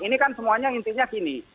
ini kan semuanya intinya gini